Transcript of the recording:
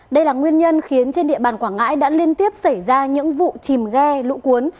đây là nguyên nhân khiến trên địa bàn quảng ngãi đã liên tiếp xảy ra những vụ chìm ghe lũ cuốn